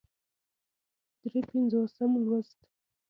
درې پينځوسم لوست